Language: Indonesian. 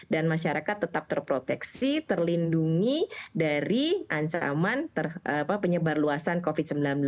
dan masyarakat tetap terproteksi terlindungi dari ancaman penyebar luasan covid sembilan belas